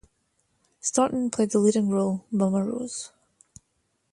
Staunton played the leading role, "Momma Rose".